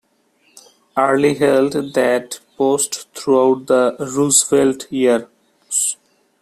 Early held that post throughout the Roosevelt years.